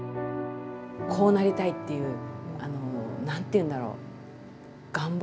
こうなりたいっていう何ていうんだろう願望？